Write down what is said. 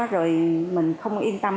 rồi mình không yên tâm